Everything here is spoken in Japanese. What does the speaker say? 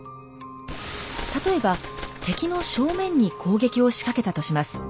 例えば敵の正面に攻撃を仕掛けたとします。